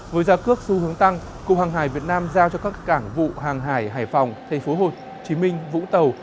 với giá cước xu hướng tăng cục hàng hải việt nam giao cho các cảng vụ hàng hải hải phòng tp hcm vũng tàu